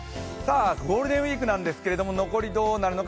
ゴールデンウイークなんですけども、残りどうなるのか。